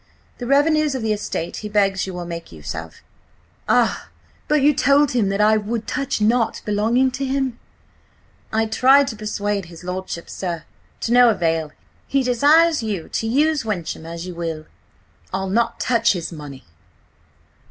The revenues of the estate he begs you will make use of." "Ah! But you told him that I would touch nought belonging to him?" "I tried to persuade his lordship, sir. To no avail. He desires you to use Wyncham as you will." "I'll not touch his money!"